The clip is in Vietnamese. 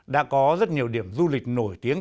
đã có rất nhiều điểm du lịch nổi tiếng